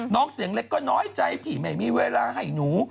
เสียงเล็กก็น้อยใจพี่ไม่มีเวลาให้หนู